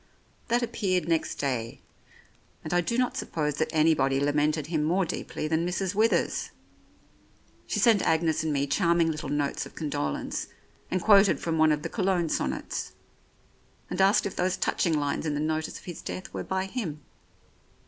" That appeared next day, and I do not suppose 107 The Oriolists that anybody lamented him more deeply than Mrs. Withers. She sent Agnes and me charming little notes of condolence and quoted from one of the Cologne sonnets, and asked if those touching lines in the notice of his death were by him.